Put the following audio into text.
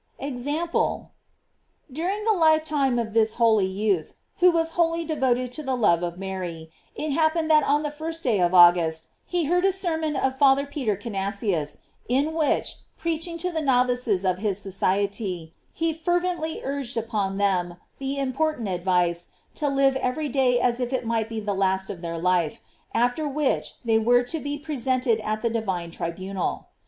* EXAMPLE. 4^ During the lifetime of this holy youth, who was wholly devoted to the love of Mary, it happened that on the first day of August, he heard a sermon of Father Peter Canisius, in which, preaching to the novices of his society, he fervently urged upon all, the important ad vice, to live every day as if it might be the last of their life, after which they were to be pre * Lib. 1, cap. 1, 2. GLOEIES OF MARY. 493 sented at the divine tribunal.